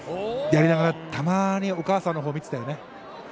やりながら、たまにお母さんの方を見ていたよね。